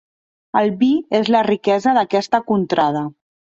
El vi és la riquesa d'aquesta contrada.